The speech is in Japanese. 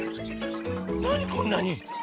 なにこんなに。